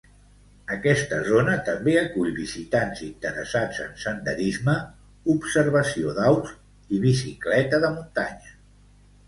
Aquesta zona també acull visitants interessats en senderisme, observació d'aus i bicicleta de muntanya.